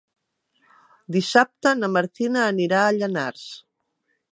Dissabte na Martina anirà a Llanars.